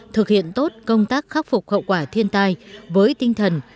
thực hiện tốt công tác khắc phục hậu quả thiên tai với tinh thần